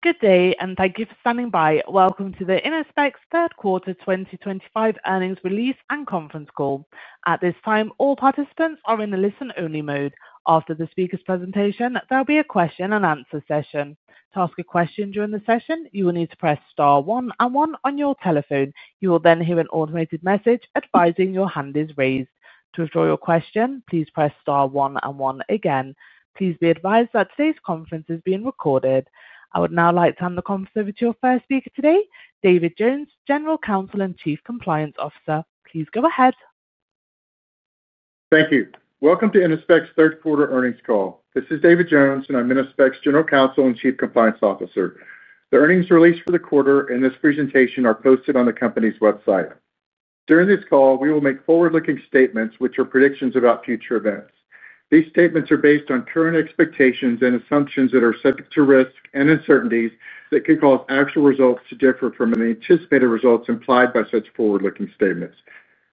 Good day, and thank you for standing by. Welcome to Innospec's third quarter 2025 earnings release and conference call. At this time, all participants are in the listen-only mode. After the speaker's presentation, there will be a question-and-answer session. To ask a question during the session, you will need to press star one and one on your telephone. You will then hear an automated message advising your hand is raised. To withdraw your question, please press star one and one again. Please be advised that today's conference is being recorded. I would now like to hand the conference over to our first speaker today, David Jones, General Counsel and Chief Compliance Officer. Please go ahead. Thank you. Welcome to Innospec's third quarter earnings call. This is David Jones, and I'm Innospec's General Counsel and Chief Compliance Officer. The earnings release for the quarter and this presentation are posted on the company's website. During this call, we will make forward-looking statements, which are predictions about future events. These statements are based on current expectations and assumptions that are subject to risk and uncertainties that could cause actual results to differ from the anticipated results implied by such forward-looking statements.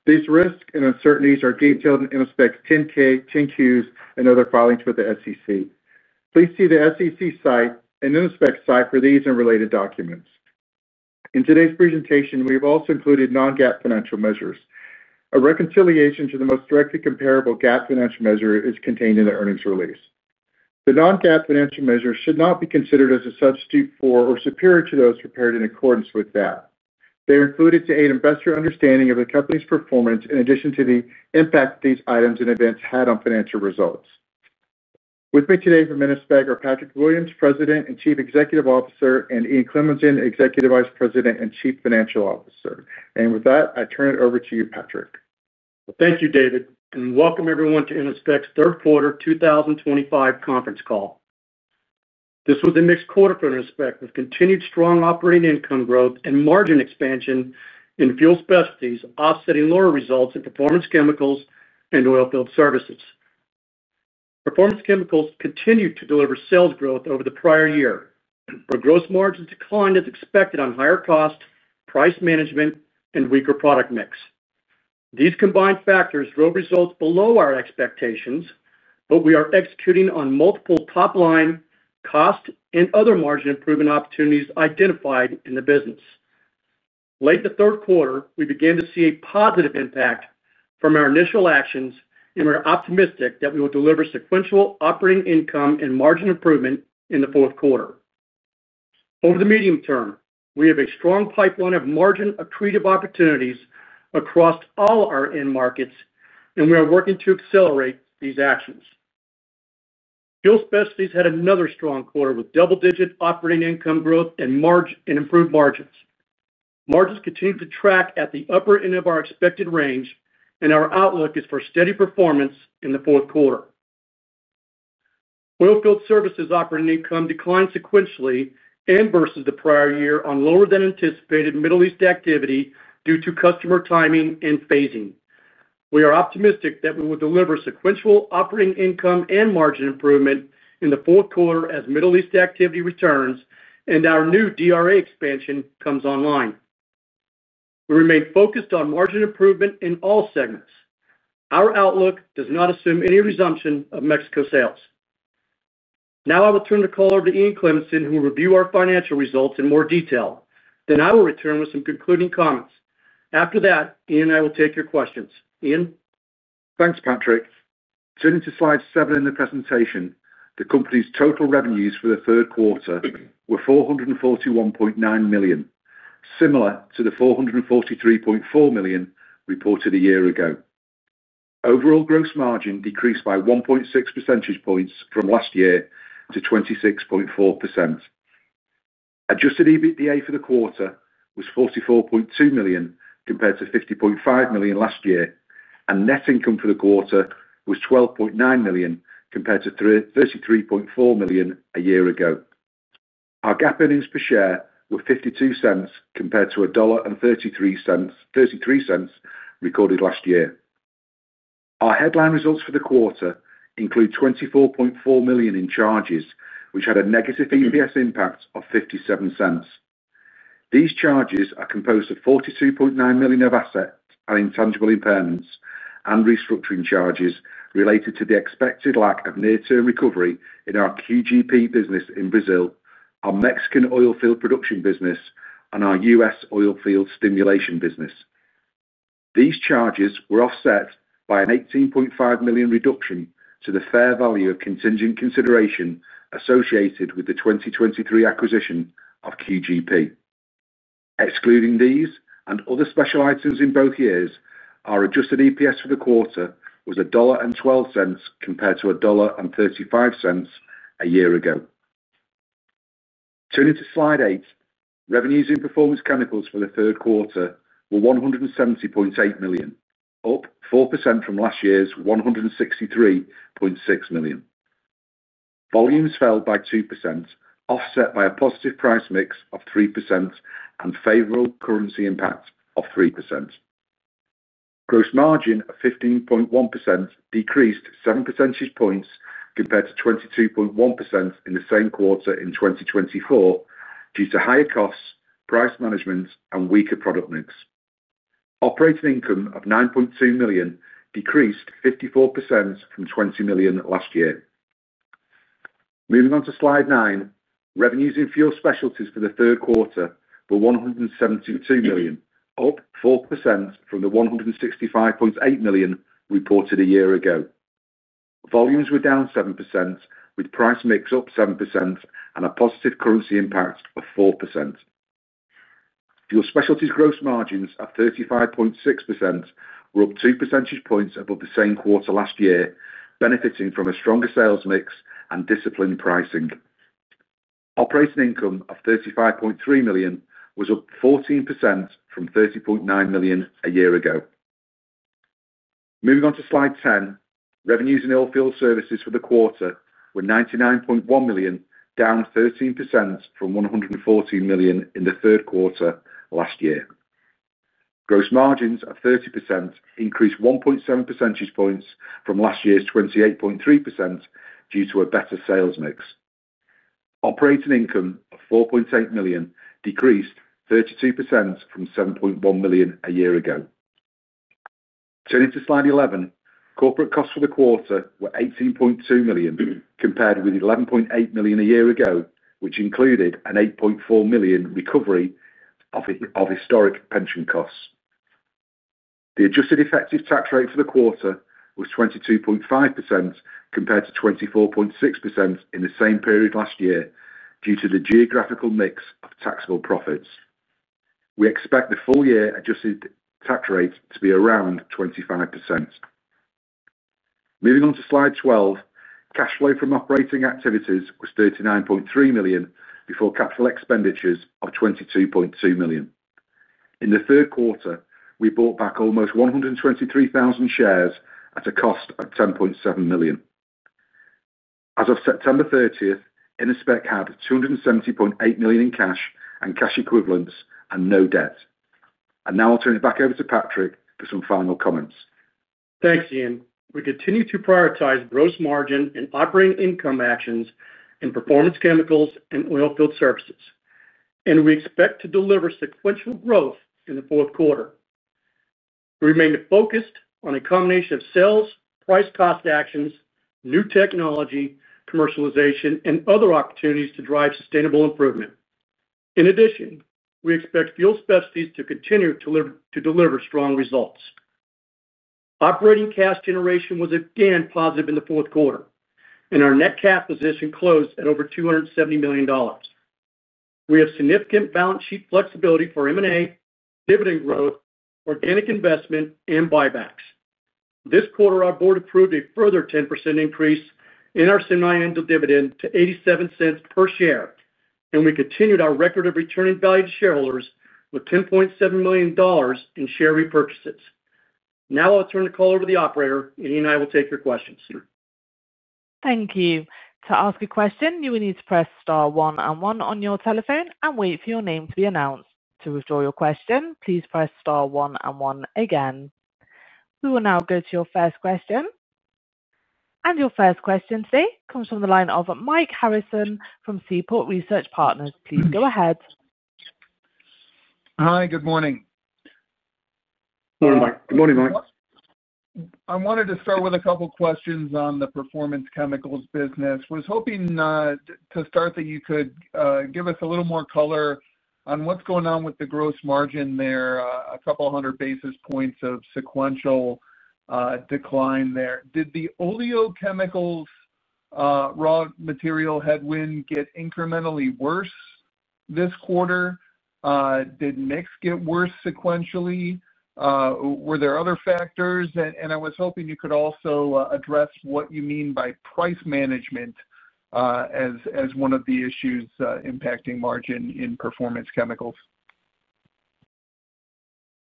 These risks and uncertainties are detailed in Innospec's 10-K, 10-Qs, and other filings for the SEC. Please see the SEC site and Innospec's site for these and related documents. In today's presentation, we have also included non-GAAP financial measures. A reconciliation to the most directly comparable GAAP financial measure is contained in the earnings release. The non-GAAP financial measures should not be considered as a substitute for or superior to those prepared in accordance with GAAP. They are included to aid investor understanding of the company's performance in addition to the impact these items and events had on financial results. With me today from Innospec are Patrick Williams, President and Chief Executive Officer, and Ian Cleminson, Executive Vice President and Chief Financial Officer. I turn it over to you, Patrick. Thank you, David, and welcome everyone to Innospec's third quarter 2025 conference call. This was a mixed quarter for Innospec with continued strong operating income growth and margin expansion in fuel specialties offsetting lower results in performance chemicals and oilfield services. Performance chemicals continued to deliver sales growth over the prior year, but gross margins declined as expected on higher cost, price management, and weaker product mix. These combined factors drove results below our expectations, but we are executing on multiple top-line cost and other margin-improvement opportunities identified in the business. Late in the third quarter, we began to see a positive impact from our initial actions, and we're optimistic that we will deliver sequential operating income and margin improvement in the fourth quarter. Over the medium term, we have a strong pipeline of margin-accretive opportunities across all our end markets, and we are working to accelerate these actions. Fuel Specialties had another strong quarter with double-digit operating income growth and improved margins. Margins continue to track at the upper end of our expected range, and our outlook is for steady performance in the fourth quarter. Oilfield Services operating income declined sequentially and versus the prior year on lower-than-anticipated Middle East activity due to customer timing and phasing. We are optimistic that we will deliver sequential operating income and margin improvement in the fourth quarter as Middle East activity returns and our new DRA expansion comes online. We remain focused on margin improvement in all segments. Our outlook does not assume any resumption of Mexico sales. Now I will turn the call over to Ian Cleminson, who will review our financial results in more detail. I will return with some concluding comments. After that, Ian and I will take your questions. Ian. Thanks, Patrick. Turning to slide seven in the presentation, the company's total revenues for the third quarter were $441.9 million, similar to the $443.4 million reported a year ago. Overall gross margin decreased by 1.6 percentage points from last year to 26.4%. Adjusted EBITDA for the quarter was $44.2 million compared to $50.5 million last year, and net income for the quarter was $12.9 million compared to $33.4 million a year ago. Our GAAP earnings per share were $0.52 compared to $1.33 recorded last year. Our headline results for the quarter include $24.4 million in charges, which had a negative EPS impact of $0.57. These charges are composed of $42.9 million of assets and intangible impairments and restructuring charges related to the expected lack of near-term recovery in our QGP business in Brazil, our Mexican oilfield production business, and our U.S. oilfield stimulation business. These charges were offset by an $18.5 million reduction to the fair value of contingent consideration associated with the 2023 acquisition of QGP. Excluding these and other special items in both years, our adjusted EPS for the quarter was $1.12 compared to $1.35 a year ago. Turning to slide eight, revenues in Performance Chemicals for the third quarter were $170.8 million, up 4% from last year's $163.6 million. Volumes fell by 2%, offset by a positive price mix of 3% and favorable currency impact of 3%. Gross margin of 15.1% decreased 7 percentage points compared to 22.1% in the same quarter in 2024 due to higher costs, price management, and weaker product mix. Operating income of $9.2 million decreased 54% from $20 million last year. Moving on to slide nine, revenues in Fuel Specialties for the third quarter were $172 million, up 4% from the $165.8 million reported a year ago. Volumes were down 7%, with price mix up 7% and a positive currency impact of 4%. Fuel Specialties gross margins at 35.6% were up 2 percentage points above the same quarter last year, benefiting from a stronger sales mix and disciplined pricing. Operating income of $35.3 million was up 14% from $30.9 million a year ago. Moving on to slide ten, revenues in Oilfield Services for the quarter were $99.1 million, down 13% from $114 million in the third quarter last year. Gross margins at 30% increased 1.7 percentage points from last year's 28.3% due to a better sales mix. Operating income of $4.8 million decreased 32% from $7.1 million a year ago. Turning to slide eleven, corporate costs for the quarter were $18.2 million compared with $11.8 million a year ago, which included an $8.4 million recovery of historic pension costs. The adjusted effective tax rate for the quarter was 22.5% compared to 24.6% in the same period last year due to the geographical mix of taxable profits. We expect the full-year adjusted tax rate to be around 25%. Moving on to slide twelve, cash flow from operating activities was $39.3 million before capital expenditures of $22.2 million. In the third quarter, we bought back almost 123,000 shares at a cost of $10.7 million. As of September 30, Innospec had $270.8 million in cash and cash equivalents and no debt. I will now turn it back over to Patrick for some final comments. Thanks, Ian. We continue to prioritize gross margin and operating income actions in performance chemicals and oilfield services, and we expect to deliver sequential growth in the fourth quarter. We remain focused on a combination of sales, price-cost actions, new technology, commercialization, and other opportunities to drive sustainable improvement. In addition, we expect fuel specialties to continue to deliver strong results. Operating cash generation was again positive in the fourth quarter, and our net cash position closed at over $270 million. We have significant balance sheet flexibility for M&A, dividend growth, organic investment, and buybacks. This quarter, our board approved a further 10% increase in our semi-annual dividend to $0.87 per share, and we continued our record of returning value to shareholders with $10.7 million in share repurchases. Now I'll turn the call over to the operator, and Ian and I will take your questions. Thank you. To ask a question, you will need to press star one and one on your telephone and wait for your name to be announced. To withdraw your question, please press star one and one again. We will now go to your first question. Your first question today comes from the line of Mike Harrison from Seaport Research Partners. Please go ahead. Hi, good morning. Morning, Mike. Good morning, Mike. I wanted to start with a couple of questions on the performance chemicals business. I was hoping to start that you could give us a little more color on what's going on with the gross margin there, a couple hundred basis points of sequential decline there. Did the oleochemicals raw material headwind get incrementally worse this quarter? Did mix get worse sequentially? Were there other factors? I was hoping you could also address what you mean by price management as one of the issues impacting margin in performance chemicals.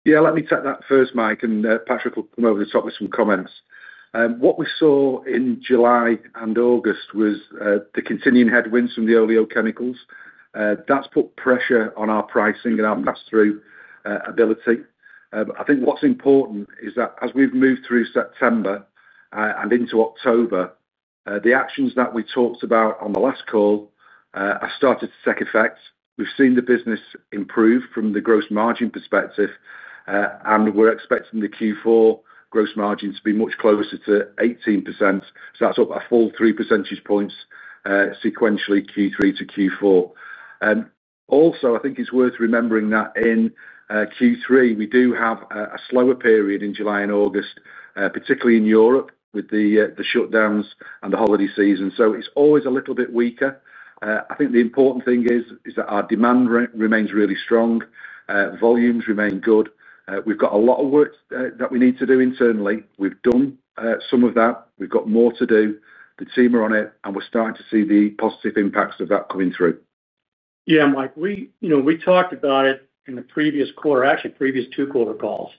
Yeah, let me take that first, Mike, and Patrick will come over the top with some comments. What we saw in July and August was the continuing headwinds from the oleochemicals. That has put pressure on our pricing and our pass-through ability. I think what is important is that as we have moved through September and into October, the actions that we talked about on the last call have started to take effect. We have seen the business improve from the gross margin perspective, and we are expecting the Q4 gross margin to be much closer to 18%. That is up a full three percentage points sequentially Q3 to Q4. Also, I think it is worth remembering that in Q3, we do have a slower period in July and August, particularly in Europe with the shutdowns and the holiday season. It is always a little bit weaker. I think the important thing is that our demand remains really strong. Volumes remain good. We've got a lot of work that we need to do internally. We've done some of that. We've got more to do. The team are on it, and we're starting to see the positive impacts of that coming through. Yeah, Mike, we talked about it in the previous quarter, actually previous two quarter calls,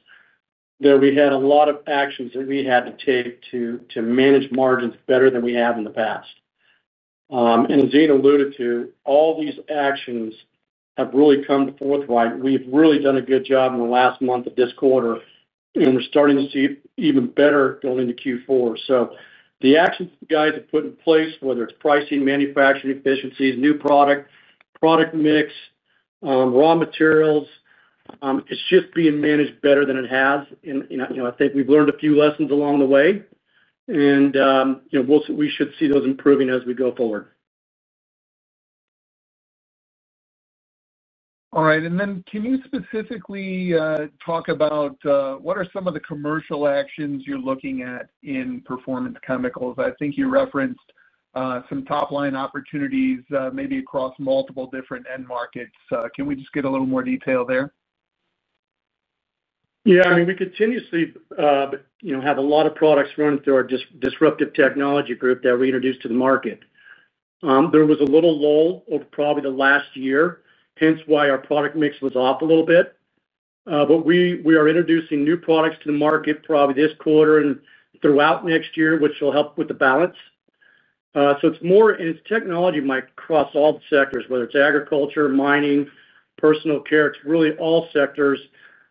that we had a lot of actions that we had to take to manage margins better than we have in the past. As Ian alluded to, all these actions have really come forth, Mike. We've really done a good job in the last month of this quarter, and we're starting to see even better going into Q4. The actions the guys have put in place, whether it's pricing, manufacturing efficiencies, new product, product mix, raw materials, it's just being managed better than it has. I think we've learned a few lessons along the way, and we should see those improving as we go forward. All right. Can you specifically talk about what are some of the commercial actions you're looking at in performance chemicals? I think you referenced some top-line opportunities maybe across multiple different end markets. Can we just get a little more detail there? Yeah. I mean, we continuously have a lot of products running through our disruptive technology group that we introduced to the market. There was a little lull over probably the last year, hence why our product mix was off a little bit. We are introducing new products to the market probably this quarter and throughout next year, which will help with the balance. It is more, and it is technology, Mike, across all sectors, whether it is agriculture, mining, personal care. It is really all sectors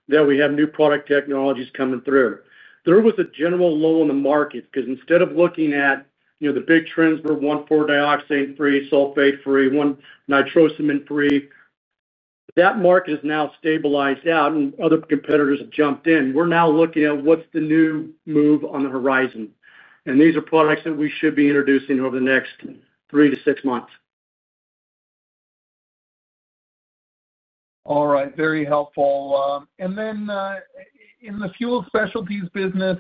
that we have new product technologies coming through. There was a general lull in the market because instead of looking at the big trends, one was fluoride dioxide free, sulfate free, one nitrosamine free. That market has now stabilized out, and other competitors have jumped in. We are now looking at what is the new move on the horizon. These are products that we should be introducing over the next three to six months. All right. Very helpful. Then in the fuel specialties business,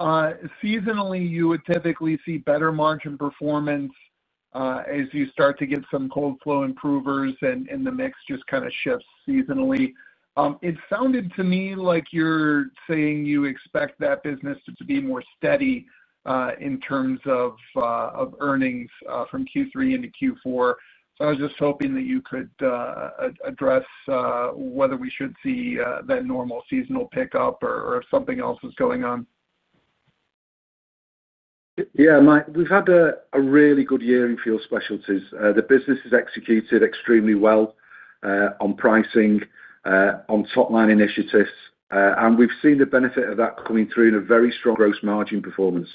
seasonally, you would typically see better margin performance as you start to get some cold flow improvers, and the mix just kind of shifts seasonally. It sounded to me like you're saying you expect that business to be more steady in terms of earnings from Q3 into Q4. I was just hoping that you could address whether we should see that normal seasonal pickup or if something else is going on. Yeah, Mike, we've had a really good year in Fuel Specialties. The business has executed extremely well. On pricing. On top-line initiatives. We've seen the benefit of that coming through in a very strong gross margin performance.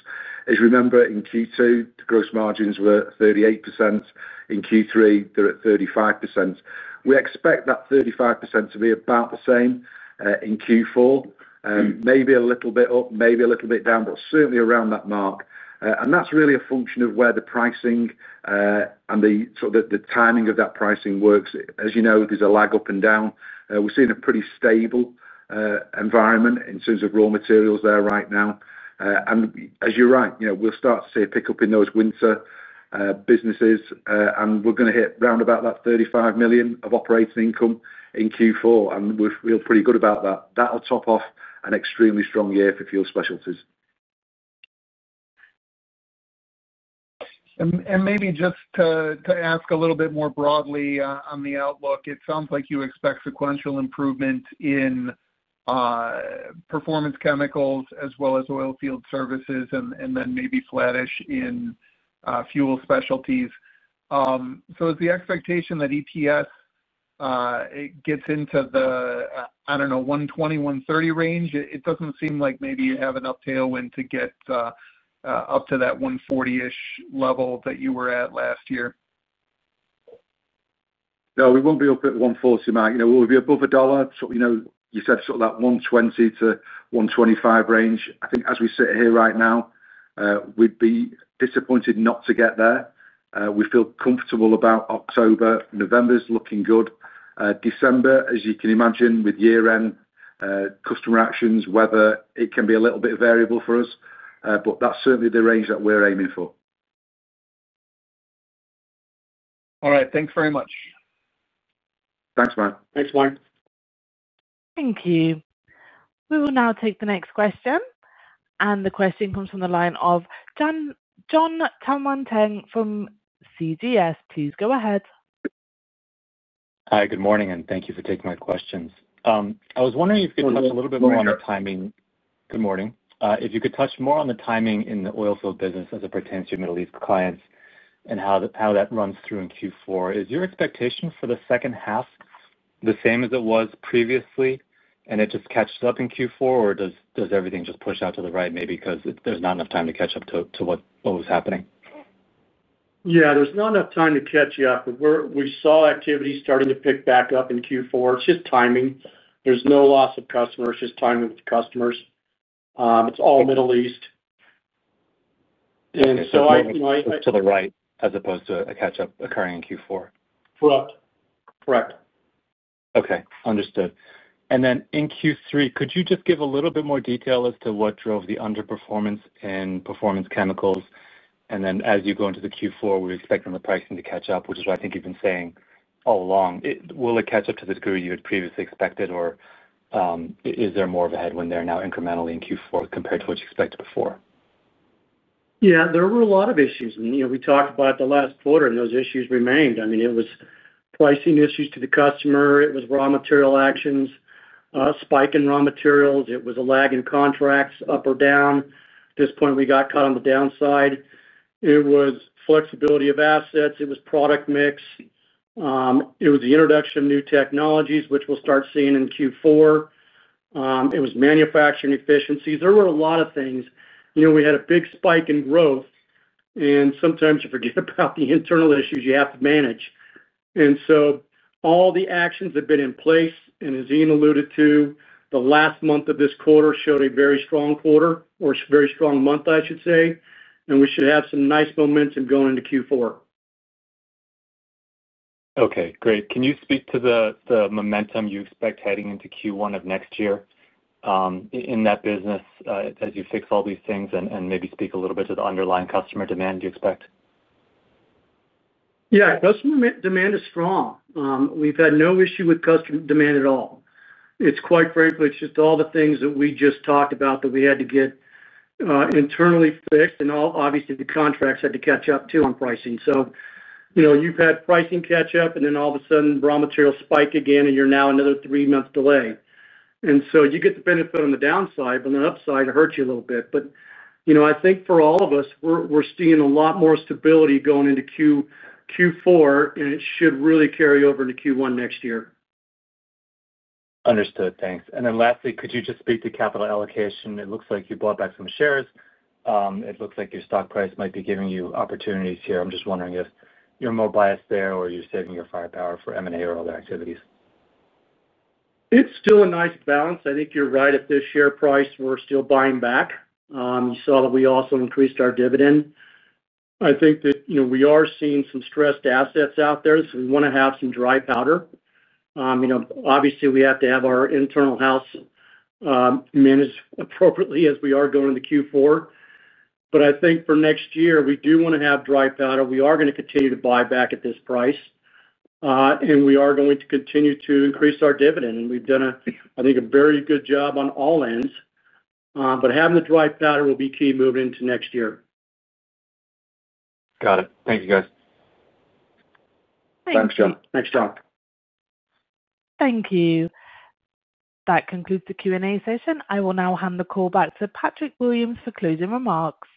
As you remember, in Q2, the gross margins were 38%. In Q3, they're at 35%. We expect that 35% to be about the same in Q4, maybe a little bit up, maybe a little bit down, but certainly around that mark. That's really a function of where the pricing and the timing of that pricing works. As you know, there's a lag up and down. We're seeing a pretty stable environment in terms of raw materials there right now. As you're right, we'll start to see a pickup in those winter. Businesses, and we're going to hit round about that $35 million of operating income in Q4, and we'll feel pretty good about that. That'll top off an extremely strong year for Fuel Specialties. Maybe just to ask a little bit more broadly on the outlook, it sounds like you expect sequential improvement in performance chemicals as well as oilfield services and then maybe flattish in fuel specialties. Is the expectation that EPS gets into the, I do not know, $1.20-$1.30 range? It does not seem like maybe you have enough tailwind to get up to that $1.40-ish level that you were at last year. No, we won't be up at $140, Mike. We'll be above a dollar. You said sort of that $120-$125 range. I think as we sit here right now. We'd be disappointed not to get there. We feel comfortable about October. November's looking good. December, as you can imagine, with year-end. Customer actions, weather, it can be a little bit variable for us. That's certainly the range that we're aiming for. All right. Thanks very much. Thanks, Mike. Thanks, Mike. Thank you. We will now take the next question. The question comes from the line of John Tanwanteng from CGS. Please go ahead. Hi, good morning, and thank you for taking my questions. I was wondering if you could touch a little bit more on the timing. Good morning. If you could touch more on the timing in the oilfield business as it pertains to your Middle East clients and how that runs through in Q4. Is your expectation for the second half the same as it was previously, and it just catches up in Q4, or does everything just push out to the right maybe because there's not enough time to catch up to what was happening? Yeah, there's not enough time to catch up. We saw activity starting to pick back up in Q4. It's just timing. There's no loss of customers. It's just timing with the customers. It's all Middle East. I. It's to the right as opposed to a catch-up occurring in Q4. Correct. Correct. Okay. Understood. In Q3, could you just give a little bit more detail as to what drove the underperformance in performance chemicals? As you go into Q4, we're expecting the pricing to catch up, which is what I think you've been saying all along. Will it catch up to the degree you had previously expected, or is there more of a headwind there now incrementally in Q4 compared to what you expected before? Yeah, there were a lot of issues. We talked about the last quarter, and those issues remained. I mean, it was pricing issues to the customer. It was raw material actions, a spike in raw materials. It was a lag in contracts up or down. At this point, we got caught on the downside. It was flexibility of assets. It was product mix. It was the introduction of new technologies, which we'll start seeing in Q4. It was manufacturing efficiencies. There were a lot of things. We had a big spike in growth. Sometimes you forget about the internal issues you have to manage. All the actions have been in place, and as Ian alluded to, the last month of this quarter showed a very strong quarter or a very strong month, I should say. We should have some nice momentum going into Q4. Okay. Great. Can you speak to the momentum you expect heading into Q1 of next year in that business as you fix all these things and maybe speak a little bit to the underlying customer demand you expect? Yeah, customer demand is strong. We've had no issue with customer demand at all. Quite frankly, it's just all the things that we just talked about that we had to get internally fixed. Obviously, the contracts had to catch up too on pricing. You've had pricing catch-up, and then all of a sudden, raw materials spike again, and you're now another three-month delay. You get the benefit on the downside, but on the upside, it hurts you a little bit. I think for all of us, we're seeing a lot more stability going into Q4, and it should really carry over into Q1 next year. Understood. Thanks. Lastly, could you just speak to capital allocation? It looks like you bought back some shares. It looks like your stock price might be giving you opportunities here. I'm just wondering if you're more biased there or you're saving your firepower for M&A or other activities. It's still a nice balance. I think you're right. At this share price, we're still buying back. You saw that we also increased our dividend. I think that we are seeing some stressed assets out there. We want to have some dry powder. Obviously, we have to have our internal house managed appropriately as we are going into Q4. I think for next year, we do want to have dry powder. We are going to continue to buy back at this price. We are going to continue to increase our dividend. We've done, I think, a very good job on all ends. Having the dry powder will be key moving into next year. Got it. Thank you, guys. Thanks, John. Thanks, John. Thank you. That concludes the Q&A session. I will now hand the call back to Patrick Williams for closing remarks.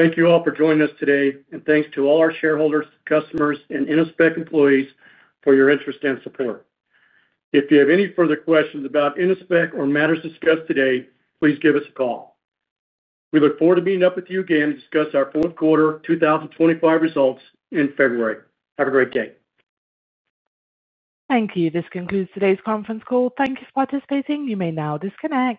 Thank you all for joining us today. Thank you to all our shareholders, customers, and Innospec employees for your interest and support. If you have any further questions about Innospec or matters discussed today, please give us a call. We look forward to meeting up with you again to discuss our fourth quarter 2025 results in February. Have a great day. Thank you. This concludes today's conference call. Thank you for participating. You may now disconnect.